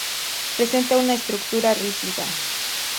Presenta una estructura rígida.